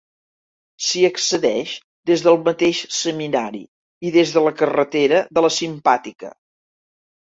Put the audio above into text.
S'hi accedeix des del mateix seminari i des de la carretera de la Simpàtica.